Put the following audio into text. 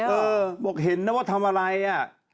เออบอกเห็นนะว่าทำอะไรอ่ะ